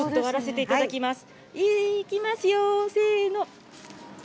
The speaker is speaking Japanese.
いきますよ、せーの。